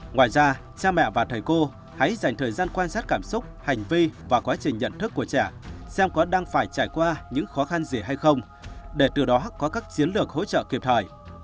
ngoài ra cha mẹ và thầy cô hãy dành thời gian quan sát cảm xúc hành vi và quá trình nhận thức của trẻ xem có đang phải trải qua những khó khăn gì hay không để từ đó có các chiến lược hỗ trợ kịp thời